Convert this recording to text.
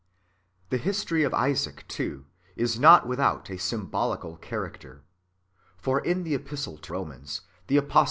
The history of Isaac, too, is not without a symbolical character. For in the Epistle to the Romans, the apostle 1 Matt. xxi. 31. '^ Gal.